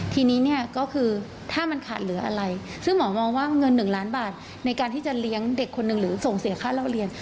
ทีนี้เนี่ยก็คือถ้ามันขาดเหลืออะไรซึ่งหมอมองว่าเงิน๑ล้านบาทในการที่จะเลี้ยงเด็กคนหนึ่งหรือส่งเสียค่าเล่าเรียน